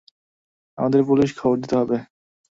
আমাদের পুলিশে খবর দিতে হবে।